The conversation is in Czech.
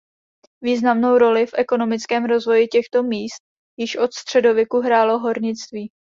Významnou roli v ekonomickém rozvoji těchto míst již od středověku hrálo hornictví.